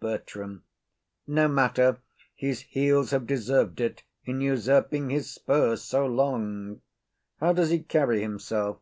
BERTRAM. No matter; his heels have deserv'd it, in usurping his spurs so long. How does he carry himself?